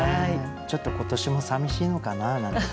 ちょっと今年もさみしいのかななんて